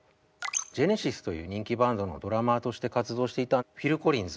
ジェネシスという人気バンドのドラマーとして活動していたフィル・コリンズ。